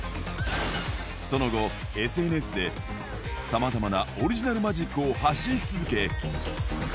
その後、ＳＮＳでさまざまなオリジナルなマジックを発信し続け。